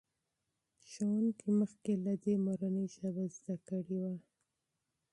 ښوونکي مخکې له دې مورنۍ ژبه زده کړې وه.